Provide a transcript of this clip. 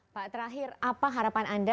pak terakhir apa harapan anda